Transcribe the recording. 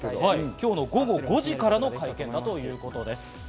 今日午後５時からの会見だということです。